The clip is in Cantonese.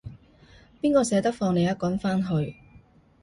邊個捨得放你一個人返去